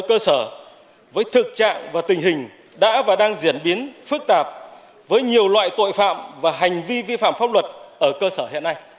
cơ sở với thực trạng và tình hình đã và đang diễn biến phức tạp với nhiều loại tội phạm và hành vi vi phạm pháp luật ở cơ sở hiện nay